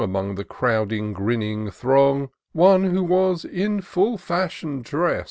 Among the crowding, grinning throng. One who was in full fashion drest.